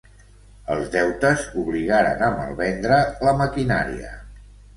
Els deutes obligaren a malvendre la maquinària.